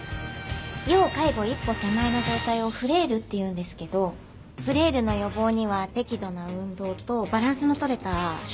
要介護一歩手前の状態をフレイルっていうんですけどフレイルの予防には適度な運動とバランスの取れた食生活。